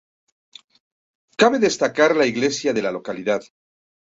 Cabe destacar la iglesia de la localidad.